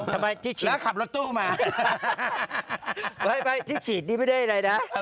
ทำไมที่ฉีดแล้วขับรถตู้มาที่ฉีดนี่ไม่ได้อะไรนะ